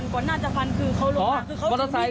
คนที่ขับมอเตอร์ไซค่ะ